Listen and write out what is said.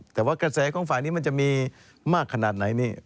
แต่ว่ากระแสของฝ่ายนี้มันจะมีมากขนาดไหนนี่